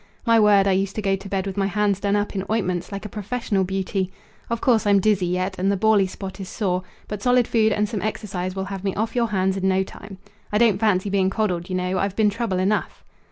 My word, I used to go to bed with my hands done up in ointments like a professional beauty! Of course I'm dizzy yet, and the bally spot is sore; but solid food and some exercise will have me off your hands in no time. I don't fancy being coddled, y'know. I've been trouble enough."